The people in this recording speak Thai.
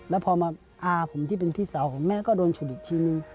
แล้วพอมาอาผมที่เป็นพี่สาวของแม่ก็โดนฉุดอีกทีนึง